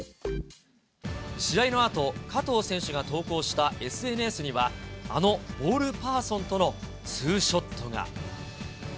試合のあと、加藤選手が投稿したＳＮＳには、あのボールパーソンとの２ショットが。